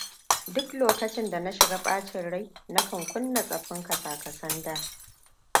Duk lokacin da shiga ɓacin rai, na kan kunna tsaffin kasa-kasan da.